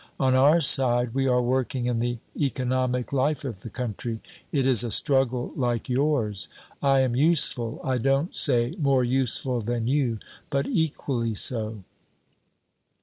On our side, we are working in the economic life of the country. It is a struggle like yours. I am useful I don't say more useful than you, but equally so."